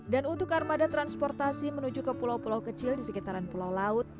dan untuk armada transportasi menuju ke pulau pulau kecil di sekitaran pulau laut